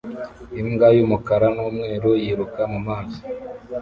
Imbwa y'umukara n'umweru yiruka mu mazi